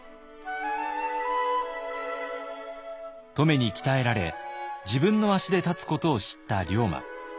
乙女に鍛えられ自分の足で立つことを知った龍馬。